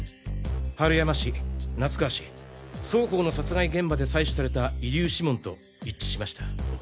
春山氏夏川氏双方の殺害現場で採取された遺留指紋と一致しました。